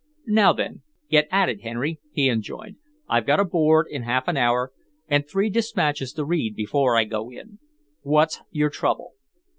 "Now, then, get at it, Henry," he enjoined. "I've a Board in half an hour, and three dispatches to read before I go in. What's your trouble?"